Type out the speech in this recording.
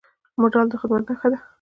مډال د خدمت نښه ده